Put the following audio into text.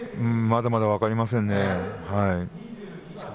まだまだ分かりませんね。